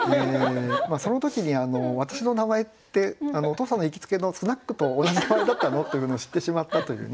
その時に「私の名前ってお父さんの行きつけのスナックと同じ名前だったの」というのを知ってしまったというね。